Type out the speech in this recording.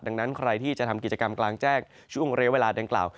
ดังนั้นใครที่จะทำกิจกรรมกลางแจ้งช่วงเรียกเวลาดังกล่าว